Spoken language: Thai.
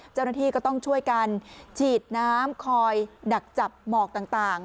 เจ้าหน้าที่ก็ต้องช่วยกันฉีดน้ำคอยดักจับหมอกต่าง